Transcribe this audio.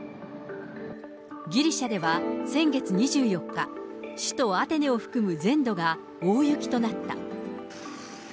ギリシャでは先月２４日、首都アテネを含む全土が大雪となった。